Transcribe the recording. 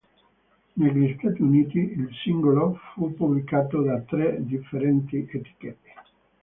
Negli Stati Uniti il singolo fu pubblicato da tre differenti etichette.